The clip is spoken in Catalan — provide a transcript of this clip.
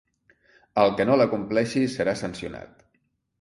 El que no la compleixi serà sancionat.